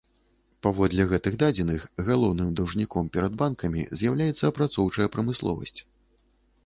Паводле гэтых дадзеных, галоўным даўжніком перад банкамі з'яўляецца апрацоўчая прамысловасць.